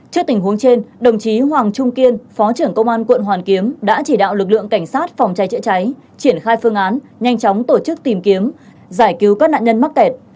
trước tình huống trên đồng chí hoàng trung kiên phó trưởng công an quận hoàn kiếm đã chỉ đạo lực lượng cảnh sát phòng cháy chữa cháy triển khai phương án nhanh chóng tổ chức tìm kiếm giải cứu các nạn nhân mắc kẹt